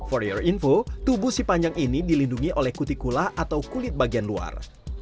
untuk info kalian tubuh si panjang ini dilindungi oleh kutikula atau kulit bagian luar